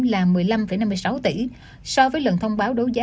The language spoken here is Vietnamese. là một mươi năm năm mươi sáu tỷ so với lần thông báo đấu giá